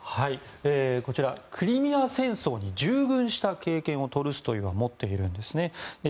クリミア戦争に従軍した経験を、トルストイは持っているんですね。